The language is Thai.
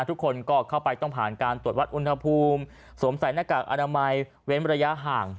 ทุกคนก็เข้าไปต้องผ่านการตรวจวัดอุณหภูมิสวมใส่หน้ากากอนามัยเว้นระยะห่าง